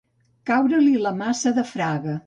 Caure-li la maça de Fraga.